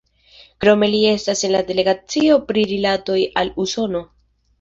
Krome li estas en la delegacio pri rilatoj al Usono.